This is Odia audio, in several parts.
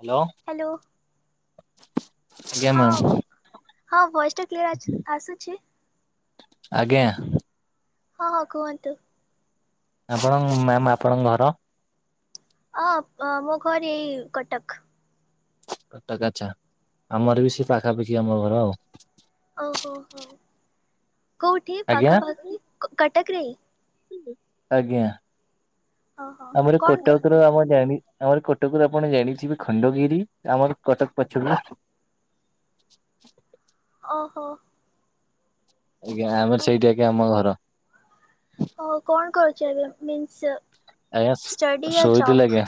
ହ୍ୟାଲୋ। ଆଜ୍ଞା ହଁ ମ୍ୟାମ୍ ହଁ ଭଏସ ଟା କ୍ଲିଅର ଆସୁ ଆସୁଛି। ଆଜ୍ଞା। ହଁ ହଁ କୁହନ୍ତୁ। ଆପଣଙ୍କ ମ୍ୟାମ ଆପଣଙ୍କ ଘର? ଅଁ ମୋ ଘରେ ଏଇ କଟକ। କଟକ ଆଚ୍ଛା ଆମର ବି ସେଇ ପାଖାପାଖି ଆମ ଘର ଆଉ। ଓହୋ ହୋ କୋଉଠି ଆଜ୍ଞା ପାଖାପାଖି କଟକରେ? ଆଜ୍ଞା ଓହୋ ଆମର କଣ କ କୋଟାଉତର ଆମ ଜାଣି ଆମର କଟକରୁ ଆପଣ ଜାଣିଥିବେ ଖଣ୍ଡଗିରି ଆମର କଟକ ପଛକୁ? ଓହୋ। ଆଜ୍ଞା ଆମର ହୋ ସେଇଠି ଆଜ୍ଞା ଆମ ଘର। ହ କଣ କରୁଛି ଏବେ ମିନ୍ସ ଆଜ୍ଞା ଷ୍ଟଡି ୟା ଶୋଇଥିଲି ଜବ୍? ଆଜ୍ଞା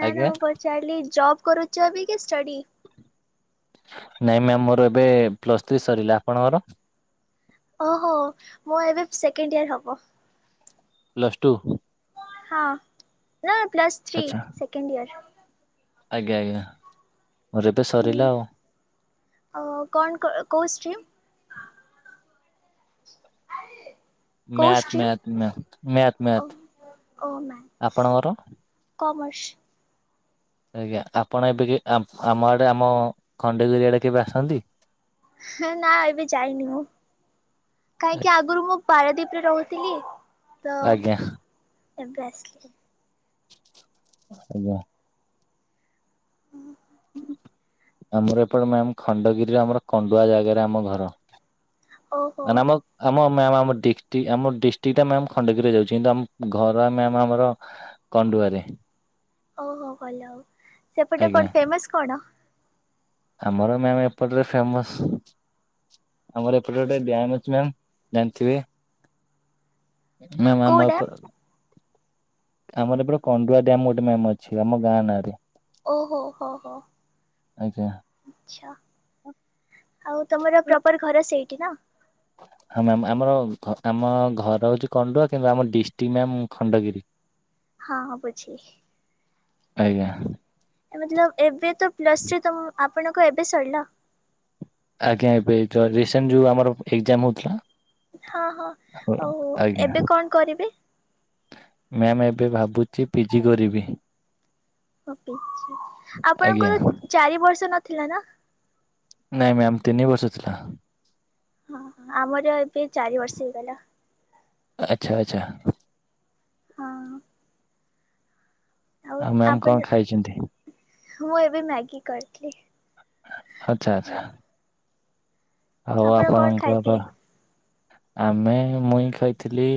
ନା ନା ଆଜ୍ଞା ମୁଁ ପଚାରିଲି ଜବ୍ କରୁଚ ବି କି ଷ୍ଟଡି? ନାଇଁ ମ୍ୟାମ୍ ମୋର ଏବେ ପ୍ଲସ ଥ୍ରୀ ସରିଲା ଆପଣଙ୍କର? ଓହୋ ମୋ ଏବେ ସେକେଣ୍ଡ ଇୟର ହବ। Plus two? ହଁ ନା ପ୍ସସ୍ ଥ୍ରୀ ଆଚ୍ଛା ସେକେଣ୍ଡ ଇୟର। ଆଜ୍ଞା ଆଜ୍ଞା ମୋର ଏବେ ସରିଲା ଆଉ। କଣ କ କୋଉ ଷ୍ଟ୍ରିମ୍? କୋଉ math stream math math math ଓ ମ୍ୟାଥ୍। ଓ ମା ଆପଣଙ୍କର? କମର୍ସ। ଆଜ୍ଞା ଆପଣ ଏବେ ଆମ ଆଡ଼େ ଆମ ଖଣ୍ଡଗିରିଆଡ଼େ କେବେ ଆସନ୍ତି? ନା ଏବେ ଯାଇନି ମୁଁ। କାହିଁକି ଆଗରୁ ମୁଁ ପାରାଦୀପରେ ରହୁଥିଲି ତ ଆଜ୍ଞା ଏବେ ଆସିଲି। ଆଜ୍ଞା। ଆମର ଏପଟେ ମ୍ୟାମ୍ ଖଣ୍ଡଗିରିର ଆମର କଣ୍ଡୁଆ ଜାଗାରେ ଆମ ଘର। ଓହୋ ମାନେ ଆମ ଆମ ମ୍ୟାମ୍ ଆମ ଡିଷ୍ଟ୍ରିକ ଆମ ଡିଷ୍ଟ୍ରିକଟା ମ୍ୟାମ୍ ଖଣ୍ଡଗିରିରେ ଯାଉଛି କିନ୍ତୁ ଆମ ଘର ମ୍ୟାମ୍ ଆମର କଣ୍ଡୁଆ ରେ। ଓହୋ ଭଲ ଆଉ ସେପଟେ ଆଜ୍ଞା କଣ ଫେମସ କଣ? ଆମର ମ୍ୟାାମ ଏପଟରେ ଫେମସ ଆମର ଏପଟେ ଗୋଟେ ଡ୍ୟାମ ଅଛି ମ୍ୟାାମ୍ ଜାଣିଥିବେ? ମ୍ୟାମ କୋଉ ଆମ ଏପ ଡ୍ୟାମ୍ ଆମର ଏପଟେ କଣ୍ଡୁଆ ଡ୍ୟାମ୍ ଗୋଟେ ମ୍ୟାମ୍ ଅଛି ଆମ ଗାଁ ନାଁରେ। ଓହୋ ହୋ ହୋ ଆଜ୍ଞା ଆଚ୍ଛା। ଆଉ ତମର ପ୍ରପର ଘର ସେଇଠି ନା? ହଁ ମ୍ୟାମ୍ ଆମର ଆମ ଘର ହେଉଛି କଣ୍ଡୁଆ କିନ୍ତୁ ଆମ ଡିଷ୍ଟ୍ରିକ୍ଟ ମ୍ୟାମ୍ ଖଣ୍ଡଗିରି। ହଁ ହଁ ବୁଝିଲି। ଆଜ୍ଞା। ଲବ୍ ଏବେ ତ ପ୍ଲସ୍ ଥ୍ରୀ ତମ ଆପଣଙ୍କ ଏବେ ସରିଲା ଆଜ୍ଞା ଏବେ ରିସେଣ୍ଟ ଯୋଉ ଆମର ଏକ୍ଜାମ ହଉଥିଲା ହଁ ହଁ ଆମର- ଆଉ ଆଜ୍ଞା ଏବେ କଣ କରିବେ? ମ୍ୟାମ ଏବେ ଭାବୁଛି ପିଜି କରିବି। ଆଜ୍ଞା ଆପଣଙ୍କର ଚାରି ବର୍ଷ ନଥିଲା ନା? ନାଇଁ ମ୍ୟାାମ ତିନି ବର୍ଷ ଥିଲା। ହଁ ଆମର ଏବେ ଚାରି ବର୍ଷ ହେଇଗଲା। ଆଚ୍ଛା ଆଚ୍ଛା। ହଁ। ଆଉ ମ୍ୟାମ କଣ ଖାଇଛନ୍ତି? ମୁଁ ଏବେ ମ୍ୟାଗି କରିଥିଲି। ଆଚ୍ଛା ଆଚ୍ଛା ହଉ ଆପଣ କଣ ଆପଣଙ୍କର ଖାଇଥିଲେ? ଆମେ ମୁଇଁ ଖାଇଥିଲି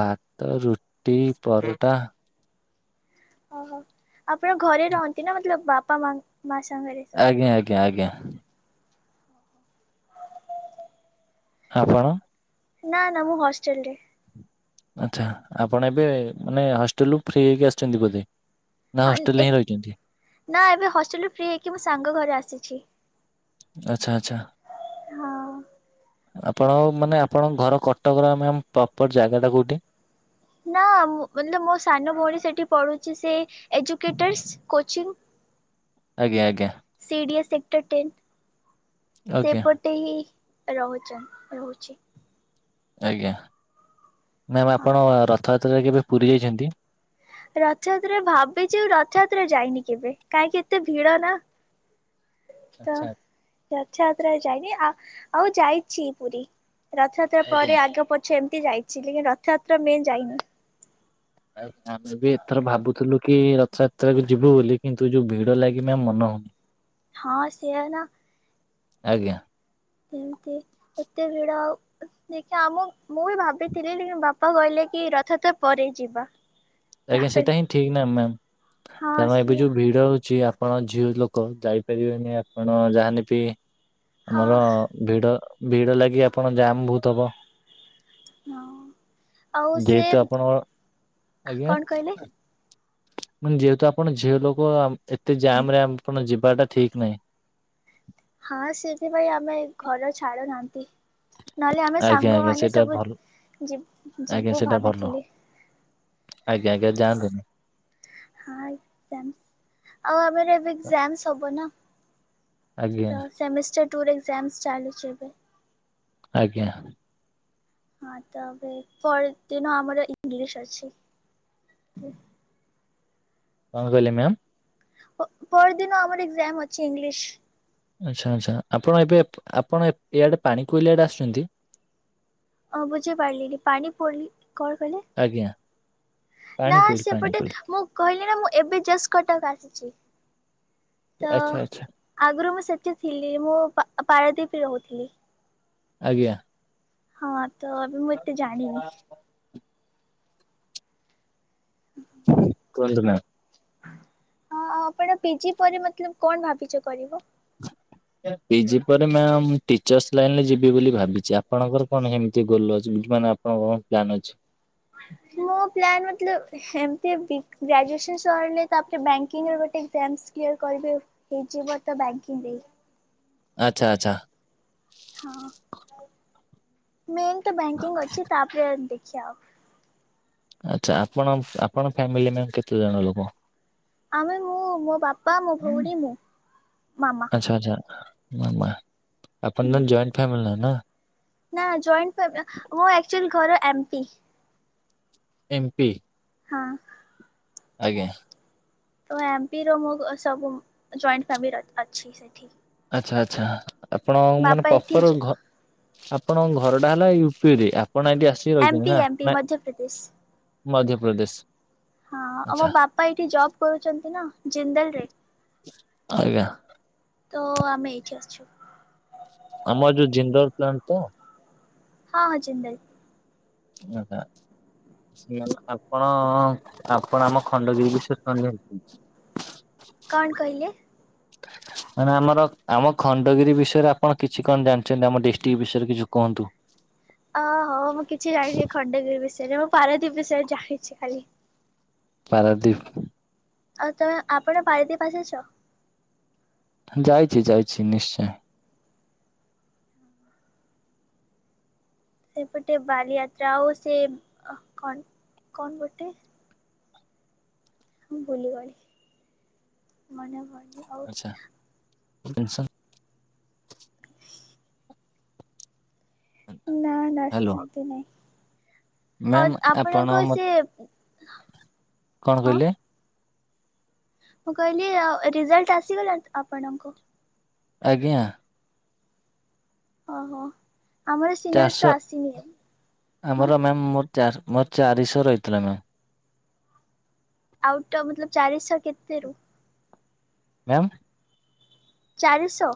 ଭାତ ରୁଟି ପରଟା। ଓହୋ ଆପଣ ଘରେ ରହନ୍ତି ନା ମତଲବ ବାପା ମାଆ ମା ସାଙ୍ଗରେ ସବୁ ଆଜ୍ଞା ଆଜ୍ଞା ଆଜ୍ଞା। ଆପଣ? ନା ନା ମୁଁ ହଷ୍ଟେଲ ରେ ଆଚ୍ଛା ଆପଣ ଏବେ ମାନେ ହଷ୍ଟେଲରୁୁ ଫ୍ରି ହେଇକି ଆସିଛନ୍ତି ବୋଧେ? ନା ହଁ ଏ ହଷ୍ଟେଲରେ ହିଁ ରହିଛନ୍ତି? ନା ଏବେ ହଷ୍ଟେଲରୁ ଫ୍ରି ହେଇକି ମୋ ସାଙ୍ଗ ଘର ଆସିଛି। ଆଛା ଆଛା ହଁ। ଆପଣ ମାନେ ଆପଣଙ୍କ ଘର କଟକର ମ୍ୟାମ୍ ପ୍ରପର ଜାଗାଟା କୋଉଁଠି? ନା ମୁଁ ମତ ମୋ ସାନ ଭଉଣୀ ସେଇଠି ପଢ଼ୁଛି ସେ ଏଜୁକେଟର୍ସ କୋଚିଂ ଆଜ୍ଞା ଆଜ୍ଞା ସିଡିଏ ସେକ୍ଟର ଟେନ୍ ସେପ ଆଜ୍ଞା ଗୋଟେ ରହୁଚନ୍ ରହୁଛି। ଆଜ୍ଞା ମ୍ୟାମ୍ ହଁ। ଆପଣ ରଥଯାତ୍ରାରେ କେବେ ପୁରୀ ଯାଇଛନ୍ତି? ରଥଯାତ୍ରା ଭାବିଛି ରଥଯାତ୍ରା ଯାଇନି କେବେ କାହିଁକି ଏତେ ଭିଡ ନା। ତ ଆଚ୍ଛା ରଥଯାତ୍ରା ଯାଇନି ଆ ଆଉ ଯାଇଛି ପୁରୀ ରଥଯାତ୍ରା ଆଜ୍ଞା ପରେ ଆଗ ପ ସେମିତି ଯାଇଛି ଲେକିନ୍ ରଥଯାତ୍ରା ମେନ୍ ଯାଇନି। ଆଜ୍ଞା ଆମେ ବି ଏଥର ଭାବୁଥିଲୁ କି ରଥଯାତ୍ରାକୁ ଯିବୁ ବୋଲି କିନ୍ତୁ ଯୋଉ ଭିଡ ଲାଗି ମ୍ୟାମ ମନ ହଉନି। ହଁ ସେୟା ନା। ଆଜ୍ଞା। କେମିତି ଏତେ ଭିଡ଼ ଆଉ ଦେଖିବା ଆମ ମୁଁ ବି ଭାବିଥିଲି ବାପା କହିଲେ କି ରଥ ଯାତ୍ରା ପରେ ଯିବା। ଆଜ୍ଞା ତାପରେ ସେଇଟା ହିଁ ଠିକ ନାଁ ମ୍ୟାମ୍ ହଁ କାରଣ ଏବେ ସିଏ ଯୋଉ ଭିଡ ହଉଛି ଆପଣ ଝିଅ ଲୋକ ଯାଇପାରିବେନି ଆପଣ ଯାହାନେବି ହଁ ଆମର ଭିଡ ଭିଡ ଲାଗି ଆପଣ ଜାମ୍ ବହୁତ ହବ ହଁ ଆଉ ସେ ଯେହେତୁ ଆପଣଙ୍କ କଣ କହିଲେ? ଯେହେତୁ ଆପଣ ଝିଅ ଲୋକ ଏତେ ଜାମ ରେ ଆପଣ ଯିବାଟା ଠିକ ନାହିଁ। ହଁ ସେଥିପାଇଁ ଆମେ ଘର ଛାଡୁନାହାନ୍ତି। ନହେଲେ ଆମେ ଆଜ୍ଞା ଆଜ୍ଞା ସାଙ୍ଗମାନେ ସେଇଟା ସବୁ ଭଲ ଯିବି ଆଜ୍ଞା ଯିବୁ ସେଇଟା ଭଲ। ଭାବିଥିଲି। ଆଜ୍ଞା ଆଜ୍ଞା ଯାଆନ୍ତୁନି। ହଁ ଏ ଆଉ ଆମର ଏବେ ଏକ୍ସାମସ ହବ ନା। ଆଜ୍ଞା। ସେମେଷ୍ଟର ଟୁର ଏକ୍ଜାମସ ଚାଲିଛି ଏବେ। ଆଜ୍ଞା। ହଁ ତବେ ପର ଦିନ ଆମର ଇଂଲିଶ ଅଛି। କଣ କହିଲେ ମ୍ୟାମ୍? ପ ପରଦିନ ଆମର ଏକ୍ଜାମ ଅଛି ଇଂଲିଶ। ଆଚ୍ଛା ଆଚ୍ଛା। ଆପଣ ଏବେ ଆପଣ ଇଆଡ଼େ ପାଣି କୋଇଲିଆଡ଼େ ଆସିଛନ୍ତି। ଅଁ ବୁଝି ପାରିଲିନି ପାଣି ପଡିଲି କଣ କହିଲେ? ଆଜ୍ଞା ନା ପାଣି କୋଇଲି ପାଣି ସେପଟେ କୋଇଲି ମୁଁ କହିଲି ନା ମୁଁ ଏବେ ଜଷ୍ଟ୍ କଟକ ଆସିଛି ତ ଆଚ୍ଛା ଆଚ୍ଛା ଆଗରୁ ମୁଁ ସେଠି ଥିଲି ମୁଁ ପା ପରାଦ୍ୱୀପରେ ରହୁଥିଲି। ଆଜ୍ଞା। ହଁ ତ ଏବେ ମୁଁ ଏତେ ଜାଣିନି। [inaudible] କୁହନ୍ତୁ ନା? ହଁ ଆଉ ଆପଣ ପିଜି ପରେ ମତଲବ କଣ ଭାବିଛ କରିବ? ପିଜି ପରେ ମ୍ୟାମ ଟିଚର୍ସ ଲାଇନ ରେ ଯିବି ବୋଲି ଭାବିଛି ଆପଣଙ୍କର କଣ ସେମିତି ଗୋଲ ଅଛି [unintelligible] ମାନେ? ହଉ [unintelligible] ଅଛି ମୁଁ ପ୍ଲାନ୍ ମତଲବ ଏମତି ବି ଗ୍ରାଜୁଏସନ ସରିଲେ ତାପରେ ବ୍ୟାଙ୍କିର ଗୋଟେ ଏକ୍ସାମ୍ କ୍ଲିୟର କରିବି। ହେଇଯିବ ତ ବ୍ୟାଙ୍କିଙ୍ଗ ଆଚ୍ଛା ଆଚ୍ଛା। ହଁ। ମେନ୍ ତ ବ୍ୟାଙ୍କିଙ୍ଗ ଅଛି ତାପରେ ଦେଖିବା ଆଉ ଆଚ୍ଛା ଆପଣ ଆପଣ ଫ୍ୟାମିଲି ମ୍ୟାମ କେତେ ଜଣ ଲୋକ? ଆମେ ମୁଁ ମୋ ବାପା ମୋ ଭଉଣୀ ମୁଁ ମାମା। ଆଚଛା ଆଚ୍ଛା ଆପଣ ଜଇଣ୍ଟ ଫେମିିଲ ନା ନା ଜଏଣ୍ଟ ମୁଁ ଆଚୁଆ ଘର ଏମ ପି ଏମ୍ ପି ହଁ। ଆଜ୍ଞା। ତ ଏମି ର ମୁ ସବୁ ଜଏଣ୍ଟ ଫ୍ୟାମିଲି ଅଛି ସେଠି। ଆଚ୍ଛା ଆଚ୍ଛା ଆପଣ ମାନେ ବାପା ଏଠି ପପର ଘ ଆପଣଙ୍କ ଘରଟା ହେଲା ୟୁପି ରେ ଆ ପଣ ଏଠି ଆସିକି ଏମ୍ ରହିଛନ୍ତି ପି ଏମ୍ ପି ନା ମଧ୍ୟପ୍ରଦେଶ। ମଧ୍ୟପ୍ରଦେଶ, ହଁ ଆଉ ମୋ ଆଚ୍ଛା ବାପା ଏଇଠି ଜବ୍ କରୁଛନ୍ତି ନା ଜିନ୍ଦେଲ ରେ, ଆଜ୍ଞା। ତ ଆମେ ଏଇଠି ଅଛୁ। ଆମର ଯୋଉ ଜିନ୍ଦଲ ପ୍ଲାଣ୍ଟ ତ? ହଁ ହଁ ଜିନ୍ଦଲ। [inaudible] ଆପଣ ଆପଣ ଆମ ଖଣ୍ଡଗିରି ରେ କଣ ଜାଣିଛନ୍ତି? କଣ କହିଲେ? ମାନେ ଆମର ଆମ ଖଣ୍ଡଗିରି ବିଷୟରେ ଆପଣ କିଛି କଣ ଜାଣିଛନ୍ତି ଆମ ଡିଷ୍ଟ୍ରିକ୍ଟ ବିଷୟରେ କିଛି କୁ କୁହନ୍ତୁ, ଓହୋ ମୁଁ କିଛି ଜାଣିିନି ଖଣ୍ଡଗିରି ବିଷୟରେ ମୁଁ ପାରଦ୍ୱୀପ୍ ବିଷୟରେ ଜାଣିଛି ଖାଲି। ପାରାଦୀପି, ଆଉ ତେ ଆପଣ ପାରତି ପାସଛ, ଯାଇଛି ଯାଇଛି ନିଶ୍ଚୟ। ସେପଟେ ବାଲିଯାତ୍ରା ଆଉ ସେ କଣ କଣ ଗୋଟେ ମୁଁ ଭୁଲିଗଲି ମନେ ପଡୁନି, ଆଉ ଆଛା। ଟେସ୍ [inaudible] ନା ନା ହ୍ୟାଲୋ ସେମତି ନାଇଁ। ଅ ମ୍ୟାମ୍ ଆପଣ ଆପଣଙ୍କ ମତେ ସେ କଣ ହଁ। କହିଲେ ମୁଁ କହିଲି ଆଉ ରିଜଲ୍ଟ ଆସିଗଲାଣି ତ ଆପଣଙ୍କୁ? ଆଜ୍ଞା। ଅହୋ ଆମର ଏ ସିିନିଅର୍ସର ଚାରିଶହ ଆସିନି ଏ। ଆମର ମ୍ୟାାମ୍ ମୋର ଚାର୍ ମୋର ଚାରିଶ ରହିଥିଲା ମ୍ୟାମ୍। ଆଉଟ୍ ଅ ବତଲ ଚାରିଶ କେତେରୁ? ମ୍ୟାମ୍? ଚାରିଶ?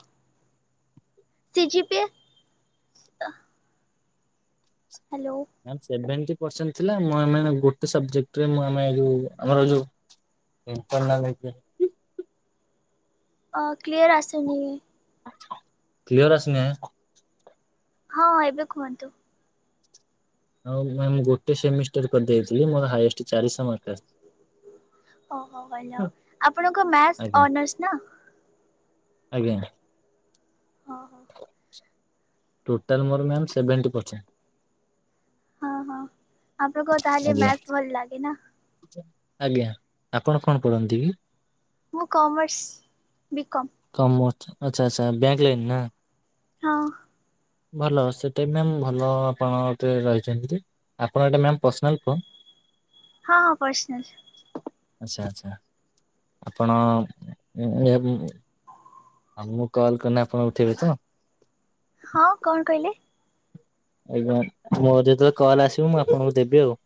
C G P A hello. Ma'am seventy percent ଥିଲା ମୁଁ ଆମେ ଆଉ ଗୋଟେ ସବ୍ଜେକ୍ଟ୍ ରେ ମୁଁ ଆମେ ଯୋଉ ଆମର ଯୋଉ ଇଣ୍ଟରନାଲ୍ ଏବେ ଅ କ୍ଲିଅର୍ ଆସିନି। କ୍ଲିଅର୍ ଆସିନେ ହଁ ଏବେ କୁହନ୍ତୁ। ଆଉ ମ୍ୟାମ୍ ଗୋଟେ ସେମିଷ୍ଟର କରିଦେଇଥିଲି ମୋର ହାଇଏଷ୍ଟ୍ ଚାରଶ ମାର୍କ ଆସ୍ ଅହ ଭଲ ଆପଣଙ୍କ ମ୍ୟାସ୍ ଆଜ୍ଞା ଅନର୍ସ ନା? ଆଜ୍ଞା। ହ ହଉ। ଟୋଟାଲ୍ ମୋର ମ୍ୟାମ୍ ସେଭେଣ୍ଟି ପରଛେଁ। ହଁ ହଁ ଆପଣଙ୍କୁ ଆଉ ତାହେଲେ ଆଜ୍ଞା ମ୍ୟାଥ ଭଲ ଲାଗେ ନାଁ? ଆଜ୍ଞା ଆପଣ କଣ ପରନ୍ତି କି? ମୁଁ କମର୍ସ ବି କମ୍। କମର୍ସ ଆଚ୍ଛା ଆଚ୍ଛା ବ୍ୟାଙ୍କ୍ ଲାଇନ୍ ନାଁ? ହଁ। ଭଲ ସେଟା ବି ମ୍ୟାମ୍ ଭଲ ଆପଣ ଓଉତିରେ ରହିଛନ୍ତି ଯେ। ଆପଣ ଏଟା ମ୍ୟାମ୍ ପର୍ସନାଲ୍ ଫୋନ୍? ହଁ ପର୍ସନାଲ୍। ଆଚ୍ଛା ଆଚ୍ଛା ଆପଣ ଏ ଉଁ ଆପଣୁ କଲ୍ କନେ ଆପଣ ଉଠେଇବେ ତ? ହଁ କଣ କହିଲେ? ଆଜ୍ଞା ମୋର ଯେତଳେ କଲ୍ ଆସିବ ମୁଁ ଆପଣଙ୍କୁ ଦେବି ଆଉ।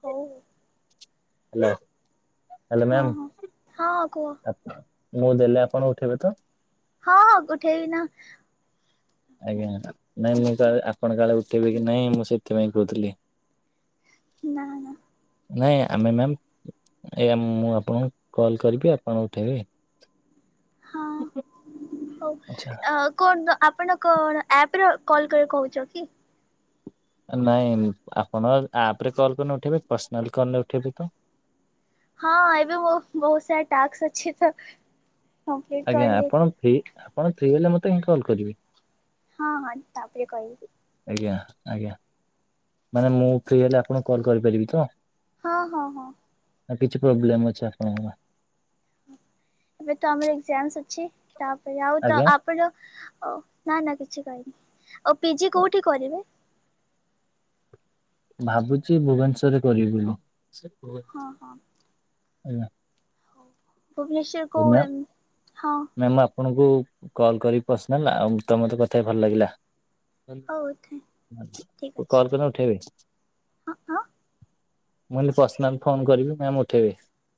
ହୋଉ। ହାଲୋ ହାଲୋ ହଁ ମ୍ୟାମ୍ ହଁ। ହଁ କୁହ ଆପ ମୁଁ ଦେଲେ ଆପଣ ଉଠାଇବେ ତ? ହଁ, ଉଠେଇବି ନା। ଆଜ୍ଞା ମାଡ଼ାମ୍ ନାଁ ମୁଁ କାଳେ ଆପଣ କାଳେ ଉଠେଇବି କି ନାଇଁ ମୁଁ ସେଥିପାଇଁ କୋଉଥୁଲି। ନାଁ, ନାଁ। ନାଇଁ ଆମେ ମ୍ୟାମ୍ ଆଜ୍ଞା ମୁଁ ଆପଣଙ୍କୁ କଲ୍ କରିବି ଆପଣ ଉଠାଇବେ। ହଁ, ହଉ ଆଚ୍ଛା। ଅ କୁହନ୍ତୁ ଆପଣ କଣ ଆପରେ କଲ୍ କରିବେ କହୁଚ କି? ନାଇଁ ଆପଣ ଆପ୍ ରେ କଲ୍ କରିନେ ଉଠାଇବେ ପର୍ସନାଲ୍ କନେ ଉଠାଇବେ ତ? ହଁ ଏବେ ମୋ ବୋହୁତ ସାରା ଟାକ୍ସ ଅଛି ତ। କମ୍ପ୍ଲିଟ ଆଜ୍ଞା କରିଲି। ଆପଣ ଫ୍ରି ଆପଣ ଫ୍ରି ହେଲେ ମୋତେ ହିଁ କଲ୍ କରିବେ। ହଁ, ହଁ, ତାପରେ କଇବି। ଆଜ୍ଞା, ଆଜ୍ଞା ମାନେ ମୁଁ ଫ୍ରି ହେଲେ ଆପଣଙ୍କୁ କଲ୍ କରିପାରିବି ତ? ହଁ, ହଁ, ହଁ। ଆଉ କିଛି ପ୍ରୋବ୍ଲେମ୍ ଅଛି ଆପଣଙ୍କର? ଏବେ ତ ଆମର ଏଗ୍ଜାମସ୍ ଅଛି ତାପରେ ଆଉ ତ ଆଜ୍ଞା ଆପଣ ଅ ନାଁ, ନାଁ, କିଛି କହିନି, ଆଉ ପି ଜି କୋଉଠି କରିବେ? ଭାବୁଛି ଭୁବନେଶ୍ଵରରେ କରିବି ବୋଲି। ହଁ ହଁ। ଆଜ୍ଞା। ଭୁବନେଶ୍ ଓ ମ୍ୟା ମ୍ୟାମ୍ ଆପ ଆପଣଙ୍କୁ କଲ୍ କରିବି ପର୍ସନାଲ ଆଉ ତମ ସହ କଥା ହେଇ ଭଲ ଲାଗିଲା। ହଉ ଠିକ୍ ଅଛି କଲ କନେ ଉଠେଇବେ? ହଁ ହଁ। ମୁଁ କହିଲି ପର୍ସନାଲ ଫୋନ କରିବି, ମ୍ୟାମ୍ ଉଠେଇବେ?